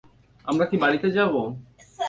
আমরা কি বাড়িতে যাব?